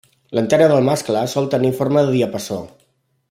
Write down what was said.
L'antena del mascle sol tenir forma de diapasó.